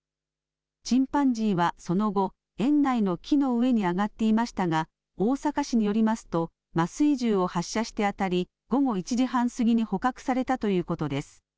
チンパンジーはその後、園内の木の上に上がっていましたが、大阪市によりますと、麻酔銃を発射して当たり、午後１時半過ぎに捕獲されたということです。